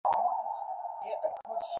সকালে নিকোটিন এর গন্ধ খুব ভালো লাগে।